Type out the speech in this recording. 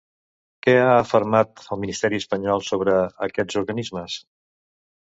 Què ha afermat el ministeri espanyol sobre aquests organismes?